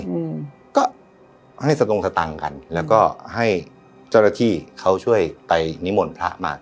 อืมก็ให้สตงสตังค์กันแล้วก็ให้เจ้าหน้าที่เขาช่วยไปนิมนต์พระมา